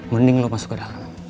mending lo masuk kedalam